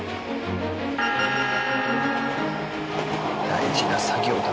大事な作業だ。